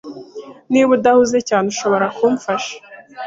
Niba udahuze cyane, ushobora kumfasha?